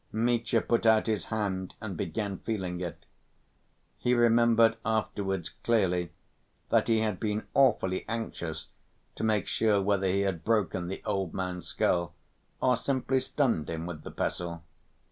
Mitya put out his hand and began feeling it. He remembered afterwards clearly, that he had been awfully anxious to make sure whether he had broken the old man's skull, or simply stunned him with the pestle.